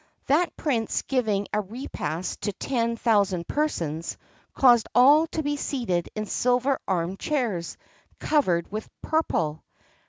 That prince giving a repast to ten thousand persons, caused all to be seated in silver arm chairs, covered with purple.